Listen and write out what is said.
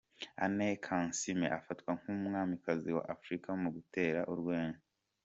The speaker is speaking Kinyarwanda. Anne Kansiime afatwa nk'umwamikazi wa Afrika mu gutera urwenya.